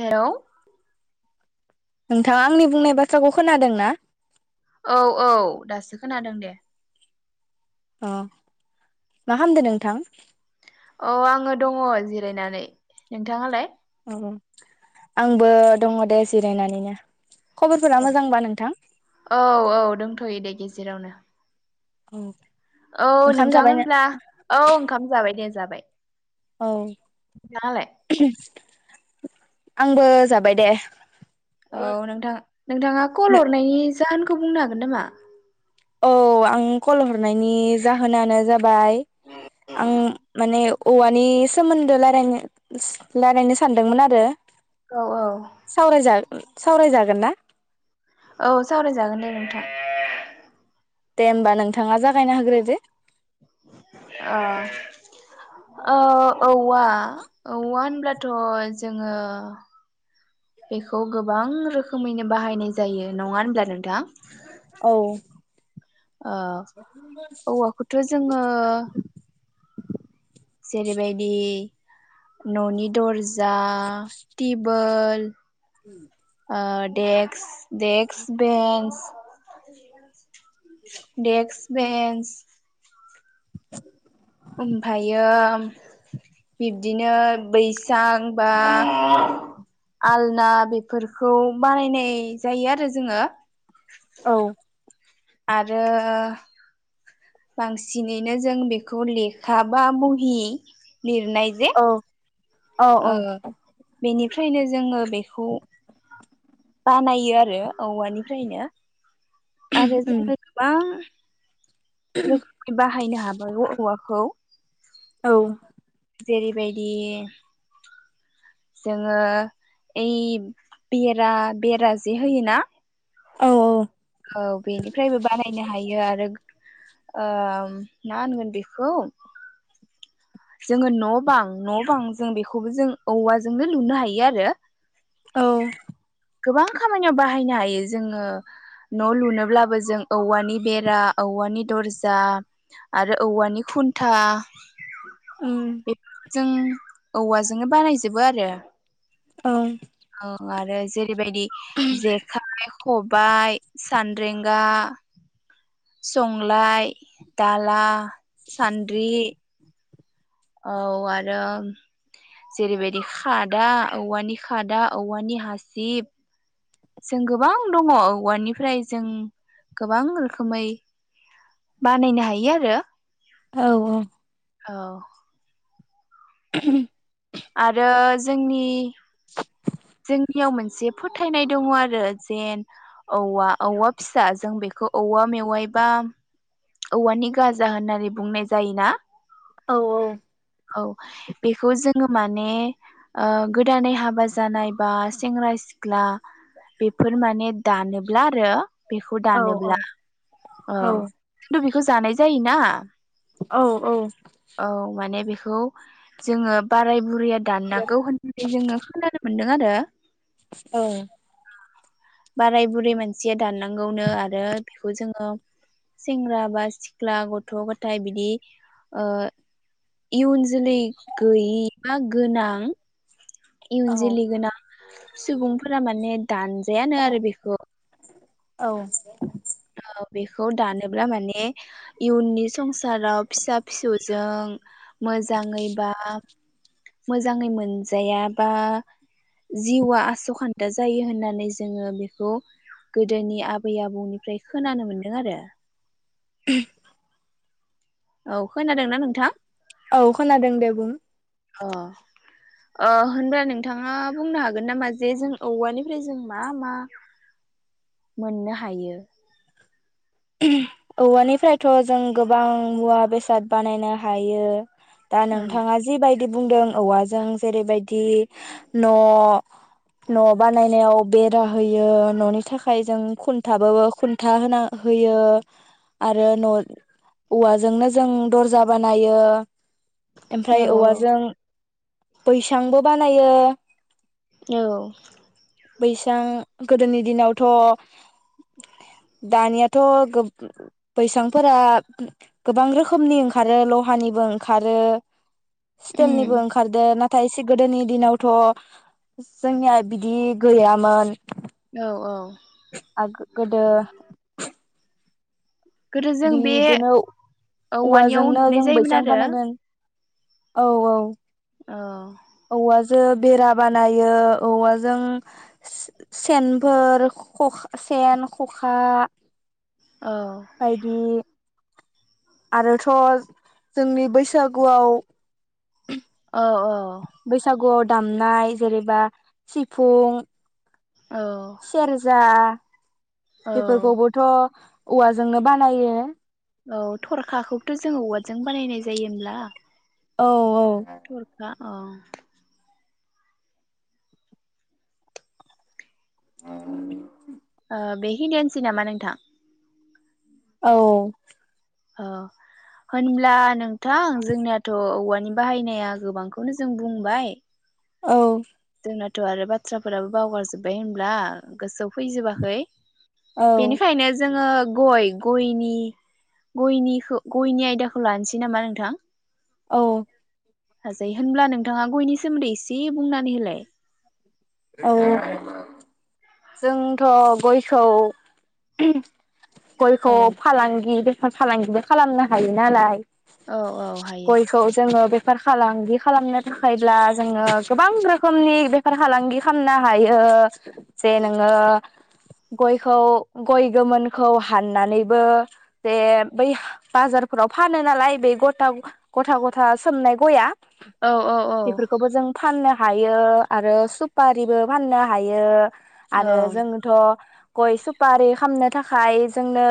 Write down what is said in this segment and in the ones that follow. Hello नोंथाङा आंनि बुंनाय बाथ्राखौ खोनादों ना? औ औ दासो खोनादों दे। अ मा खामदो नोंथां? औ आङो दङ जिरायनानै नोंथाङालाय? आंबो दङ दे जिरायनानैनो। खबरफोरा मोजांबा नोंथां औ औ औ दंथयो दे गे जेरावनो औ औ ओंखाम नोंथां जाबायनो होनब्ला औ ओंखाम जाबाय दे। जाबाय औ नोंहालाय? आंबो जाबाय दे। औ नोंथां नोंथाङा कल हरनायनि जाहोनखौ बुंनो हागोन नामा औ आं कल हरनायनि जाहोनानो जा बाय आं माने औवानि सोमोन्दो रायलायनो रायलायनो सानदोंमोन आरो। औ औ सावराय जा सावरायजागोन ना? औ सावरायजागोन दे नोंथा। दे होमबा नोंथाङा जागायना होग्रोदो। ओ ओ औवा होनब्ला थ जोङो बेखौ गोबां रोखोमैनो बाहायनाय जायो नङा होनब्ला नोंथां। औ आ औवाखौथ जोङो जेरैबायदि ननि दर्जा टिबोल [inaudible] डेक्स डेक्स बेन्च डेक्स बेन्च [unintelligible] [inaudible] ओमफ्रायो बिब्दिनो बैसां बा आलना बेफोरखौ बानायनाय जायो आरो जोङो। औ आरो बांसिनैनो जों बेखौ लेखा बा मुहि लिरनाय जे औ औ औ फ्रायनो जोङो बेखौ बानायो आरो औवानिफ्रायनो आरो उम जों गोबां रोखोम बाहायनो हाबाय औवाखौ औ जेरैबायदि जोङो ओइ बेरा बेरा जे होयोना औ औ औ बेनिफ्रायबो बानायनो हायो आरो ओ मा होनगोन बेखौ जोङो न बां न बां जों बेखौबो जों औवाजोंनो लुनो हायो आरो। औ गोबां खामानियाव बाहायनो हायो जोङो न' लुनोब्लाबो जों औवानि बेरा औवानि दरजा आरो औवानि खुन्था ओम बेफोरखौ जों औवाजोंनो बानायजोबो आरो औ औ आरो जे बेबायदि जेखाइ खबाइ सान्द्रेंगा संलाय दाला सान्द्रि औ आरो जेरैबायदि खादा औवानि खादा औवानि हासिब जों गोबां दङ औवानिफ्राय जों गोबां रोखोमै बानायनो हायो आरो। औ औ औ [unintelligible] आरो जोंनि जोंनियाव मोनसे फोथायनाय दङ आरो जेन औवा औवा फिसा जों बेखौ औवा मेवायबा औवानि गाजा होननानै बुंनाय जायोना? औ औ बेखौ जों जोङो माने गोदानै हाबा जानाय बा सेंग्रा सिख्ला बेफोर माने दानोब्ला आरो बेखौ औ दानोब्ला अ औ खिन्थु बेखौ जानाय जायो ना औ औ खौ जोङो बाराय बुरै दाननांगौ होननानै जोङो खोनानो मो मोनदों आरो औ बाराय बुरि मानसिया दाननांगौनो आरो बेखौ जो सेंग्रा बा सिख्ला गथ‌ गथाय बिदि इयुन जोलै गैयि बा गोनां इयुन जलि औ गोनां सुबुंफोरा माने दानजायानो आरो बेखौ औ बेखौ दानोब्ला माने इयुननि संसाराव फिसा फिसौजों मोजाङैबा मोजाङै मोनजाया बा जिउआ आसखान्था जायो होननानै जोङो बेखौ गोदोनि आबै आबौनि ओमफ्राय खोनानो मोनदों आरो [inaudible] औ खोनादोंना नोंथां? औ खोनादों दे बुं अ अ होनब्ला नोंथाङा बुंनो हागोन नामा जे जों औवानिफ्राय जों मा मा मोननो हायो? औवानिफ्रायथ जों गोबां मुवा बेसाद बानायनो हायो। दा नोंथाङा जिबायायदि बिदि बुंदों औवाजों जेरैबायदि न न बानायनायाव बेरा होयो ननि थाखाय जों खुन्थाबो खुन्था होनां होयो आरो न औवाजोंनो जों दर्जा बानायो। औ ओमफ्राय औवाजों बैसांबो बानायो औ बैसां गोदोनि दिनावथ दानियाथ थ बैसांफोरा गोबां रोखोमनि ओंखारो लहानिबो ओंखारो उम स्टिलनिबो ओंखारदो ना थायसे गोदोनि दिनावथ जोंनिया बिदि गैयामोन। औ औ आग गोदो गोदो जों बे बिदिनो औवानियाव औवाजोंनो उन्दुनाय जों जायोमोन बैसां आरो बानायोमोन। औ औ औ औवाजों बेरा बानायो औवाजों सेनफोर सेन खखा औ बायदि आरोथ जोंनि बैसागुआव औ औ बैसागुआव दामनाय जेरेबा सिफुं औ सेरजा औ बेफोरखौबोथ' औवाजोंनो बानायो । औ थरखाखौथ' जोङो औवाजाजों बानायनाय जायो होमब्ला औ औ थरखा औ [inaudible] ओ बे खिनियानोसै नामा नोंथां? औ औ होनब्ला नोंथां जोंनियाथ' औवानि बाहायनाया गोबांखौनो जों बुंबाय औ जोंनाथ' आरो बाथ्राफोराबो बावगारजोब्बाय होनब्ला गोसो फैजोबाखै औ बेनिखायनो जोङो गय गयनि गयनिखो गयनि आयदाखौ लानोसै नामा नोंथां औ हाजै होनब्ला नोंथाङा गयनि सोमोन्दै एसे बुंनानै होलाय औ औ जोंथ' गयखौ औ गयखौ फालांगि बेफार फालांगिबो खालामनो हायो नालाय औ औ हायो फार फालांगि खालामनो थाखायब्ला जोङो गोबां रोखोमनि बेफार फालांगि खामनो हायो जे नोङो गयखौ गय गोमोनखौ हाननानैबो जे बै बाजारफोराव फानो नालाय बे गथा गथा गथा सोमनाय गया औ औ बेफोरखौबो जों फाननो हायो आरो सुफारिबो फाननो हायो । औ आरो जोंनोथ' गय सुफारि खामनो थाखाय जोंनो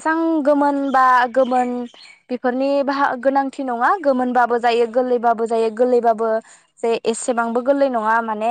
एसां गोमोन बा गोमोन बेफोरनि बा गोनांथि नङा गोमोनबाबो जायो गोरलैबाबो जायो गोरलैबाबो जे एसेबांबो गोरलै नङा माने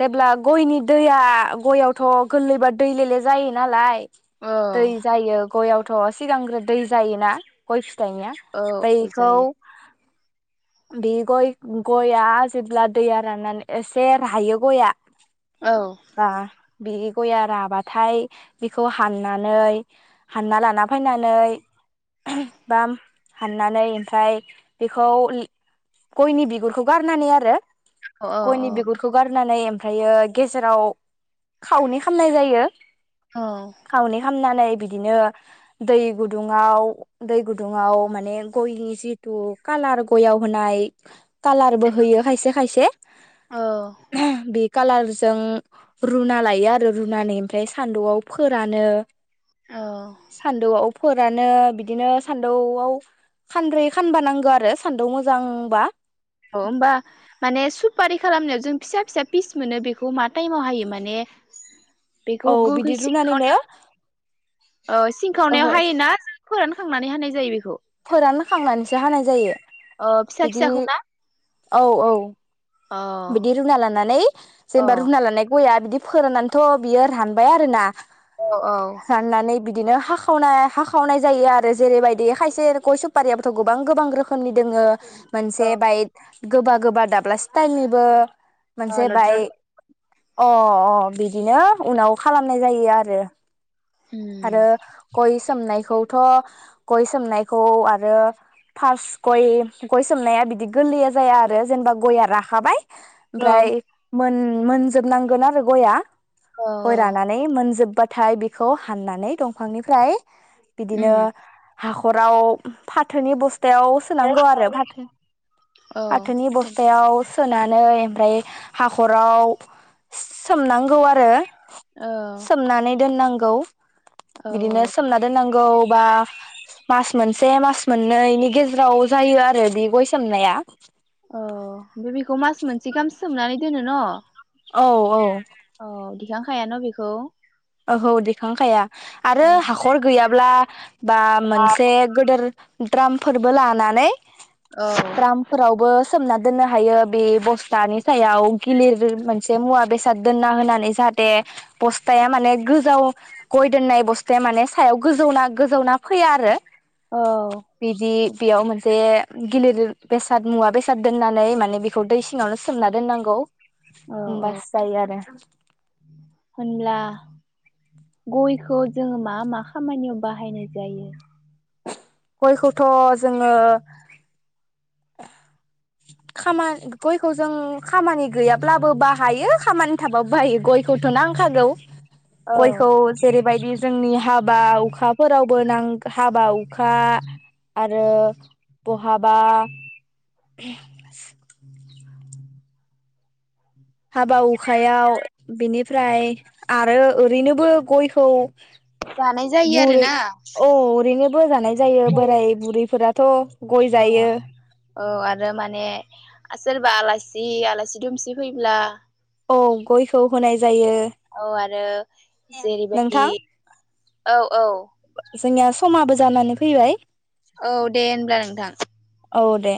जेब्ला गयनि दैया गययावथ' गोरलैबा दै लेले जायो नालाय औ दै जायो गयआव थ' सिगांग्रो दै जायोना गय फि [unintelligible] औ बैखौ जायो बे गय गया जेब्ला दैया राननानै एसे राहायो गया औ बा बि गया राबाथाय बेखौ हाननानै हानना लाना फैनानै बा हाननानै ओमफ्राय बेखौ गयनि बिगुरखौ गारनानै आरो अ अ अ गयनि बिगुरखौ गारनानै ओमफ्रायो गेजेराव खावनै खामनाय जायो। औ खावनै खामना नै बिदिनो दै गुदुङाव दै गुदुङाव माने गयनि जिथु कालार गयाव होनाय कालारबो होयो खायसे खायसे। अ बे कालारजों रुना लायो आरो रुनानै ओमफ्राय सान्दुंआव फोरानो औ सान्दौआव फोरानो बिदिनो सान्दौआव खानब्रै खानबा नांगो आरो सान्दुं मोजांबा। औ होमबा माने सुपारि खालामनायाव जों फिसा फिसा पिस मोनो बेखौ मा टाइमाव हायो माने बेखौ औ गोखै बिदि रुनानैनो सिंखावनायाव औ सिंखावनायाव ओहो हायोना फोरानखांनानै हानाय जायो बेखौ। फोरानखांनानैसो हानाय जायो। अ फिसा बिदि फिसाखौ ना औ औ। अ बिदि रुना लानानै अ जेनेबा रुना लानाय गया बिदि फोराननानैथ' बियो रानबाय आरोना औ औ साननानै बिदिनो हाखावनाय हाखावनाय जायो आरो जेरैबायदि खायसे गय सुफारियाबोथ' गोबां गोबां रोखोमनि दोङो मोनसे औ बाइड गोबा गोबा दाब्ला टाइलनिबो अ मोनसे बाय लद्र' अ अ अ बिदिनो उनाव खालामनाय जायो आरो। उम आरो गय सोमनायखौथ' गय सोमनायखौ आरो फार्स्ट गय गय सोमनाया बिदि गोरलैया जाया आरो जेनेबा गया राखाबाय औ ओमफ्राय मोन मोनजोबनांगोन आरो गया। औ गय रानानै मोनजोबबा थाय बेखौ हाननानै दंफांनिफ्राय बिदिनो उम हा ख'राव फाथोनि बुस स्थायाव औ सोनांगौ आरो फाथो फाथोनि बस्थायाव सोनानै ओमफ्राय हाख'राव सोमनांगौ आरो। औ सोमनानै दोननांगौ। गौ औ बिदिनो औ सोमना दोननां गौ बा मास मोनसे मास मोननैनि गेजेराव जायो आरो बि गय सोमनाया। औ बेखौ मास मोनसे गाहाम सोमनानै दोनो न'? औ औ दांखायान' बेखौ? ओहौ दिखांखाया आरो औ हाख'र गैयाब्ला बा मोनसे गोदोर द्रामफोरबो लानानै औ द्रामफोरावबो सोमना दोननो हायो बे बस्थानि सायाव गिलिर मोनसे मुवा बेसाद दोनना होनानै जाहाथे बस्थाया माने गोजाव गय दोननाय बस्थाया माने सायाव गोजौना गोजावना फैया आरो। औ बिदि बेयाव मोनसे गिलिर बेसाद मुवा बेसाद दोननानै माने बेखौ दै सिङावनो सोमना दोननांगौ। औ होनबासो जायो आरो। होनब्ला गयखौ जोङो मा मा खामानियाव बाहायनाय जायो? गयखौथ' जोङो खामानि गयखौ जों खामानि गैयाब्लाबो बाहायो खामानि थाबाबो बाहायो गयखौथ' नांखागौ। औ गयखौ जेरैबायदि जोंनि हाबा हुखाफोरावबो नांगौ हाबा हुखा आरो बहाबा [inaudible] हाबा हुखायाव बिनि ओमफ्राय आरो ओरैनोबो गयखौ जानाय जायो बुरै आरोना औ ओरैनोबो जानाय जायो औ बोराय बुरैफोरा। थ गय जायो। औ आरो माने सोरबा आलासि आलासि दुमसि फैब्ला औ गयखौ होनाय जायो औ आरो जेरैबायदि नोंथां औ औ। जोंनिया समाबो जानानै फैबाय। औ दे होनब्ला नोंथां। औ दे।